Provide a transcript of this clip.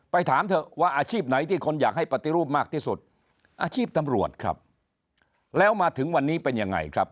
ถามเถอะว่าอาชีพไหนที่คนอยากให้ปฏิรูปมากที่สุดอาชีพตำรวจครับแล้วมาถึงวันนี้เป็นยังไงครับ